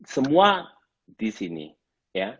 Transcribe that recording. semua di sini ya